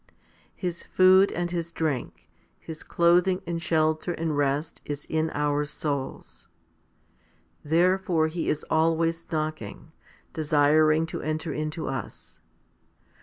His food and His drink, His clothing and shelter and rest is in our souls. Therefore He is always knocking, desiring to enter into us.